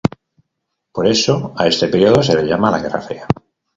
Por eso, a este período se le llama la guerra fría.